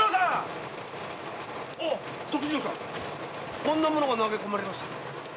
時次郎さん‼こんなものが投げ込まれました。